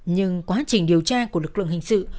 nhưng quá trình điều tra của lực lượng hình sự